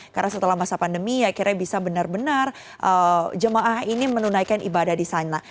karena setelah masa pandemi akhirnya bisa benar benar jemaah ini menunaikan ibadah di sana